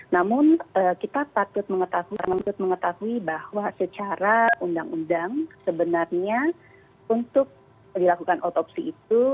namun kita patut mengetahui bahwa secara undang undang sebenarnya untuk dilakukan otopsi itu